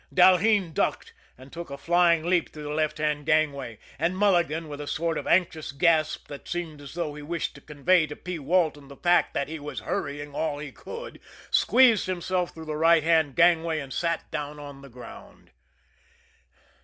Dalheen ducked, and took a flying leap through the left hand gangway; and Mulligan, with a sort of anxious gasp that seemed as though he wished to convey to P. Walton the fact that he was hurrying all he could, squeezed himself through the right hand gangway and sat down on the ground.